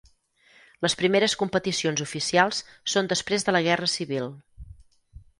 Les primeres competicions oficials són després de la Guerra Civil.